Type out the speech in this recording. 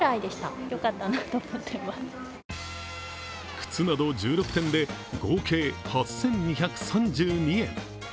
靴など１６点で合計８２３２円。